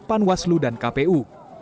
panwaslu dan kpu